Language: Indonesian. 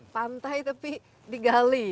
pantai tapi digali